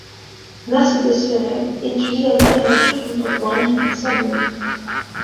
Mercedes Ferrer étudie la littérature contemporaine à la Sorbonne.